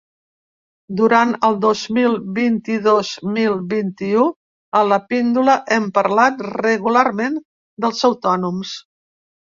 Durant el dos mil vint i dos mil vint-i-u, a la píndola hem parlat regularment dels autònoms.